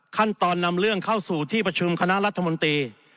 ขั้นตอนนำเรื่องเข้าสู่ที่ประชุมคณะรัฐมนตรี